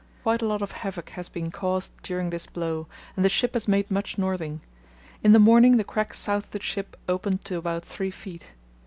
Quite a lot of havoc has been caused during this blow, and the ship has made much northing. In the morning the crack south of the ship opened to about three feet.